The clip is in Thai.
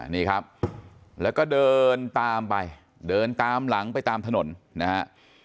นี่ครับแล้วก็เดินตามไปเดินตามหลังไปตามถนนนะฮะ